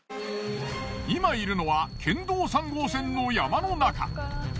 今いるのは県道３号線の山の中。